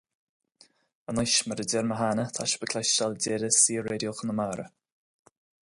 Anois, mar a deir mé cheana, tá sibh ag cloisteáil deireadh Saor-Raidió Chonamara.